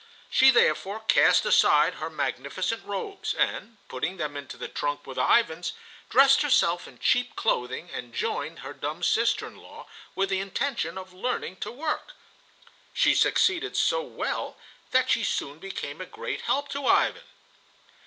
She therefore cast aside her magnificent robes, and, putting them into the trunk with Ivan's, dressed herself in cheap clothing and joined her dumb sister in law, with the intention of learning to work. She succeeded so well that she soon became a great help to Ivan.